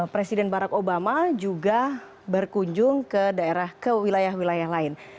presiden barack obama juga berkunjung ke wilayah wilayah lain